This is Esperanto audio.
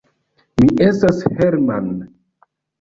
Mi estas Hermann!